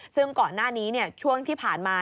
ซึ่งก่อนหน้านี้ช่วงที่ผ่านมา